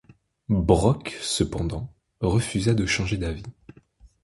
Brock, cependant, refusa de changer d'avis.